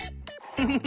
フフフ。